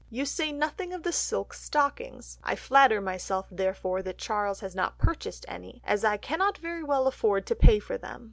You say nothing of the silk stockings, I flatter myself therefore that Charles has not purchased any, as I cannot very well afford to pay for them....